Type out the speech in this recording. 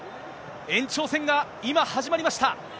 延長戦が今、始まりました。